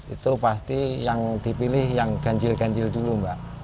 itu pasti yang dipilih yang ganjil ganjil dulu mbak